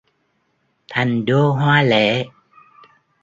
Thành đô hoa lệ